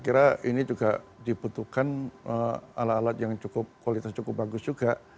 kira ini juga dibutuhkan alat alat yang cukup kualitas cukup bagus juga